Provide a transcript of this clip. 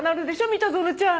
三田園ちゃん。